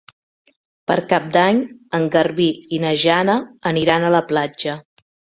Per Cap d'Any en Garbí i na Jana aniran a la platja.